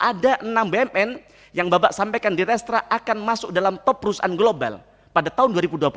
ada enam bumn yang bapak sampaikan di restra akan masuk dalam top perusahaan global pada tahun dua ribu dua puluh satu